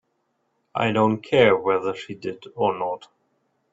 I don't care whether she did or not.